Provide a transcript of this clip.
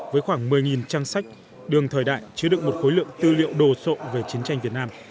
với khoảng một mươi trang sách đường thời đại chứa được một khối lượng tư liệu đồ sộ về chiến tranh việt nam